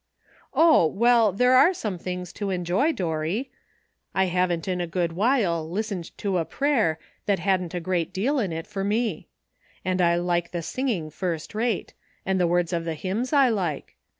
"Oh! well, there are some things to enjoy, Dorry. I haven't in a good while listened to a 338 ''LUCK.'' prayer that hadn't a great deal in it for me. And I like the singing first rate, and the words of the hymns I like.